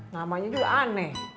namanya juga aneh